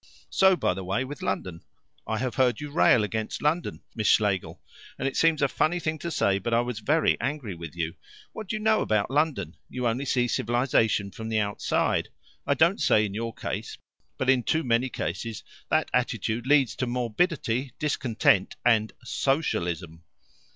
So, by the way, with London. I have heard you rail against London, Miss Schlegel, and it seems a funny thing to say but I was very angry with you. What do you know about London? You only see civilization from the outside. I don't say in your case, but in too many cases that attitude leads to morbidity, discontent, and Socialism."